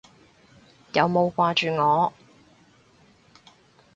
有冇掛住我？